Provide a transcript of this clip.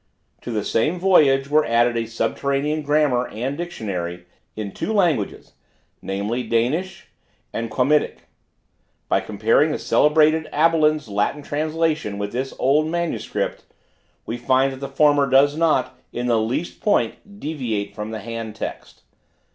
To the same 'Voyage' were added a subterranean Grammar and Dictionary, in two languages, namely, Danish and Quamitic. By comparing the celebrated Abelin's Latin translation with this old manuscript, we find that the former does not, in the least point, deviate from the hand text.